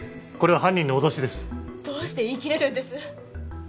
これは犯人の脅しですどうして言い切れるんです？